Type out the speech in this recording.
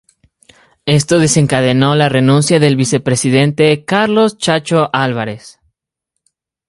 Esto desencadenó la renuncia del vicepresidente Carlos "Chacho" Álvarez.